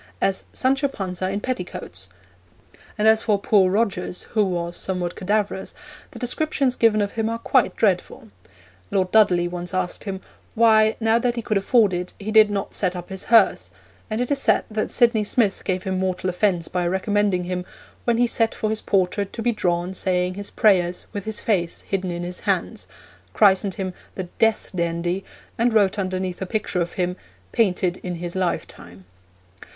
as 'Sancho Panza in petticoats!'; and as for poor Rogers, who was somewhat cadaverous, the descriptions given of him are quite dreadful. Lord Dudley once asked him 'why, now that he could afford it, he did not set up his hearse,' and it is said that Sydney Smith gave him mortal offence by recommending him 'when he sat for his portrait to be drawn saying his prayers, with his face hidden in his hands,' christened him the 'Death dandy,' and wrote underneath a picture of him, 'Painted in his lifetime.'